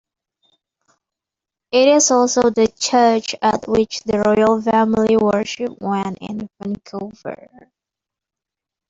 It is also the church at which the royal family worships when in Vancouver.